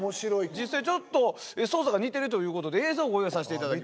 実際ちょっと操作が似てるということで映像をご用意させていただきました。